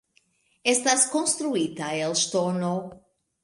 Estas konstruita el ŝtono.